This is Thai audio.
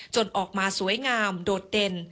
ออกมาสวยงามโดดเด่น